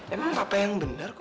emang apa yang benar kok